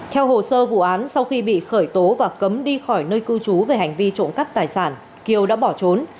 theo hồ sơ vụ án sau khi bị khởi tố và cấm đi khỏi nơi cư trú về hành vi trộm cắp tài sản kiều đã bỏ trốn